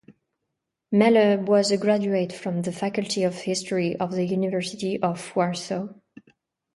Meller was a graduate from the faculty of history of the University of Warsaw.